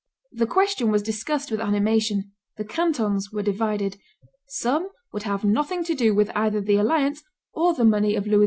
The question was discussed with animation; the cantons were divided; some would have nothing to do with either the alliance or the money of Louis XI.